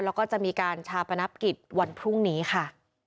แล้วก็จะมีการชาปนกิจวันพรุ่งนี้ค่ะ